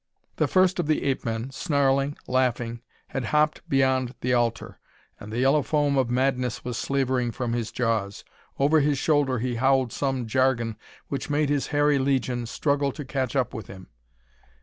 The first of the ape men, snarling, laughing, had hopped beyond the altar, and the yellow foam of madness was slavering from his jaws. Over his shoulder he howled some jargon which made his hairy legion struggle to catch up with him.